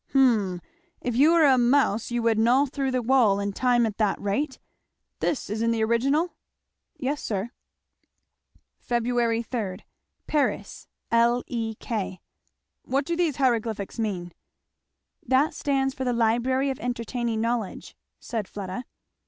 "Hum if you were a mouse you would gnaw through the wall in time at that rate. This is in the original?" "Yes sir." 'Feb. 3. Paris. L. E. K.' "What do these hieroglyphics mean?" "That stands for the 'Library of Entertaining Knowledge,'" said Fleda.